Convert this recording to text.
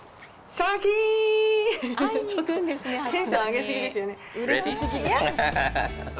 ちょっとテンション上げ過ぎですよね？